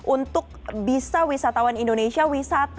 untuk bisa wisatawan indonesia wisatawan indonesia